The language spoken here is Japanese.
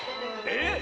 えっ！？